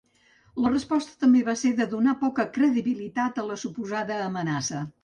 La resposta també va ser de donar poca credibilitat a la suposada amenaça.